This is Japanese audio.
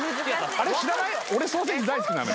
あれ知らない？